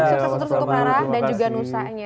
sukses terus untuk nusa dan juga nusa nya